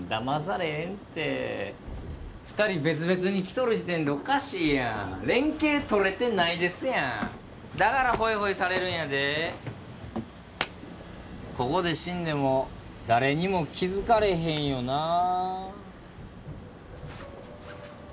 まされへんって２人別々に来とる時点でおかしいやん連携とれてないですやんだからホイホイされるんやでここで死んでも誰にも気づかれへんよな